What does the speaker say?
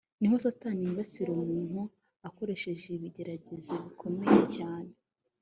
ni ho Satani yibasira umuntu akoresheje ibigeragezo bikomeye cyane